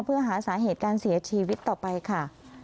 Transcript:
เพื่อหาสาเหตุการเสียชีวิตต่อไปค่ะ